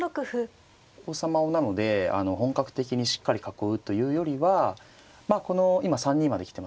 王様をなので本格的にしっかり囲うというよりはまあこの今３二まで来てますよね。